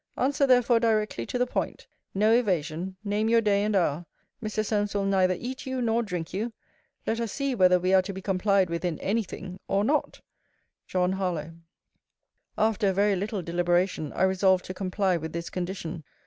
Answer therefore directly to the point. No evasion. Name your day and hour. Mr. Solmes will neither eat you, nor drink you. Let us see, whether we are to be complied with in any thing, or not. JOHN HARLOWE. After a very little deliberation, I resolved to comply with this condition.